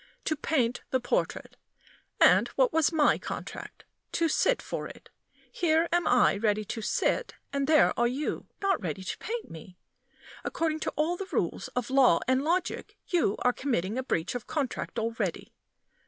To paint the portrait. And what was my contract? To sit for it. Here am I ready to sit, and there are you not ready to paint me. According to all the rules of law and logic, you are committing a breach of contract already.